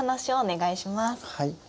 はい。